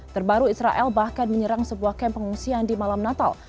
terbaru israel bahkan menyerang sebuah kamp pengungsian di malam natal